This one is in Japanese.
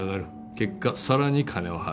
結果さらに金を払う。